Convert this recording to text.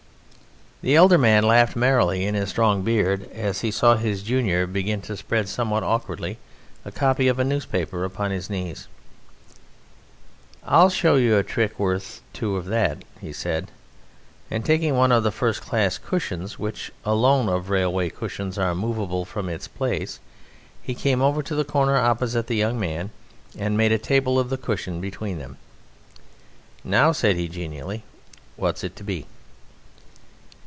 The elder man laughed merrily in his strong beard as he saw his junior begin to spread somewhat awkwardly a copy of a newspaper upon his knees. "I'll show you a trick worth two of that," he said, and taking one of the first class cushions, which alone of railway cushions are movable from its place, he came over to the corner opposite the young man and made a table of the cushion between them. "Now," said he genially, "what's it to be?"